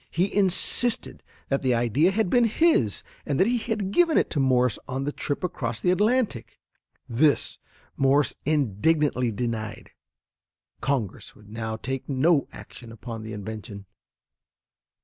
He insisted that the idea had been his and that he had given it to Morse on the trip across the Atlantic. This Morse indignantly denied. Congress would now take no action upon the invention.